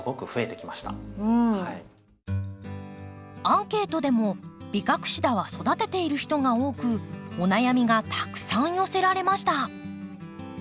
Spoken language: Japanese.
アンケートでもビカクシダは育てている人が多くお悩みがたくさん寄せられました。